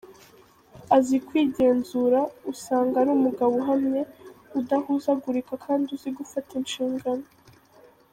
Azi kwigenzura, usanga ari umugabo uhamye, udahuzagurika kandi uzi gufata inshingano.